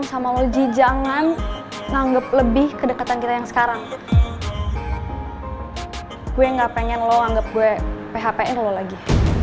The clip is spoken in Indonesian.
saya juga udah nggak pengen lo anggap gue phpn lo lagi